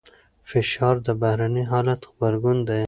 فشار د بهرني حالت غبرګون دی.